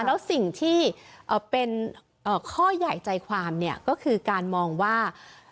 แล้วสิ่งที่เป็นข้อใหญ่ใจความเนี่ยก็คือการมองว่า